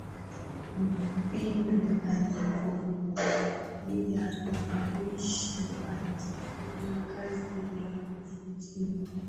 Ndipo alipokulia na kuishi akifanya kazi ya ufundi